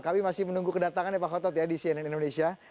kami masih menunggu kedatangan ya pak khotot ya di cnn indonesia